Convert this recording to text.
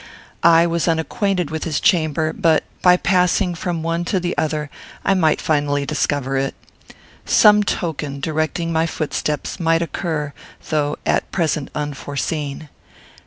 I was unacquainted with his chamber, but, by passing from one to the other, I might finally discover it. Some token, directing my footsteps, might occur, though at present unforeseen.